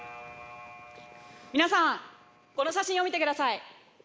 皆さんこの写真を見て下さい。